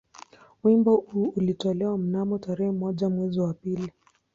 Wimbo huu ulitolewa mnamo tarehe moja mwezi wa pili